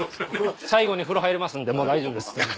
最後に風呂入れますんでもう大丈夫です全然。